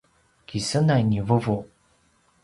kisenay ni vuvu